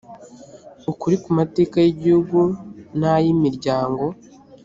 ukuri ku mateka y igihugu n ay imiryango